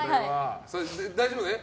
大丈夫ね？